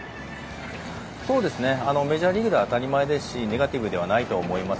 メジャーリーグでは当たり前ですしネガティブではないと思います。